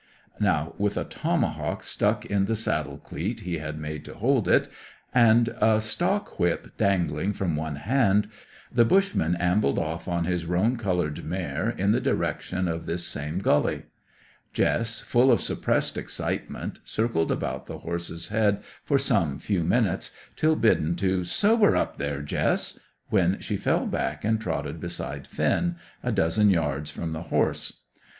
Now, with a tomahawk stuck in the saddle cleat he had made to hold it, and a stock whip dangling from one hand, the bushman ambled off on his roan coloured mare in the direction of this same gully. Jess, full of suppressed excitement, circled about the horse's head for some few minutes, till bidden to "Sober up, there, Jess!" when she fell back and trotted beside Finn, a dozen yards from the horse.